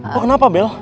lo kenapa bel